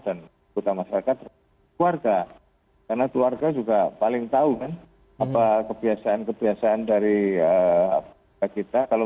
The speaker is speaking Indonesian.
dan pak maarat suarga karena keluarga juga paling tahu apa kebiasaan kebiasaan dari kita kalau